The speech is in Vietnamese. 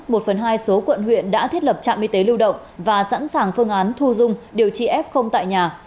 một phần hai số quận huyện đã thiết lập trạm y tế lưu động và sẵn sàng phương án thu dung điều trị f tại nhà